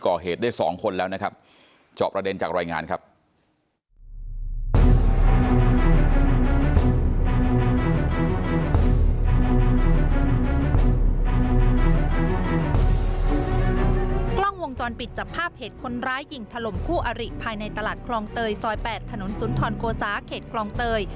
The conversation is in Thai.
กล้องวงจรปิดจับภาพเหตุคนร้ายยิงถล่มคู่อริภายในตลาดคลองเตยซอย๘ถนนสุนทรโกสาเขตคลองเตย